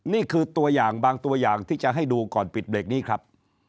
นี่คือตัวอย่างบางตัวอย่างที่จะให้ดูก่อนปิดเบรกนี้ครับ